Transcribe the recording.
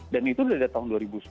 dan itu dari tahun dua ribu sepuluh